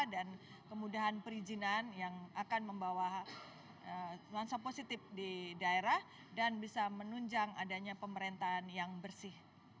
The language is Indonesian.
dan kemudahan perizinan yang akan membawa langsung positif di daerah dan bisa menunjang adanya pemerintahan yang bersih